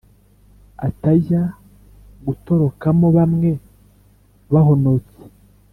atajya kuturokoramo bamwe bahonotse,